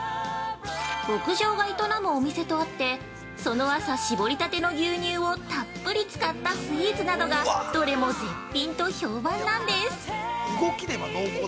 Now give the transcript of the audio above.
牧場が営むお店とあって、その朝搾りたての牛乳をたっぷり使ったスイーツなどがどれも絶品！と、評判なんです。